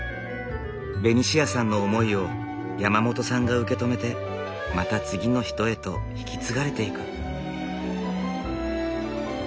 ベニシアさんの思いを山本さんが受け止めてまた次の人へと引き継がれていく。